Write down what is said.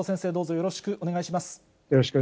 よろしくお願いします。